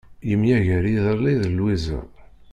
Yemyager iḍelli d Lwiza.